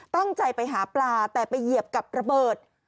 ตั้งใจไปหาปลาแต่ไปเหยียบกับระเบิด